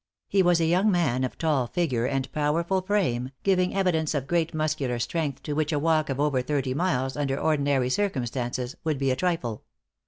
He was a young man of tall figure and powerful frame, giving evidence of great muscular strength, to which a walk of over thirty miles, under ordinary circumstances, would be a trifle.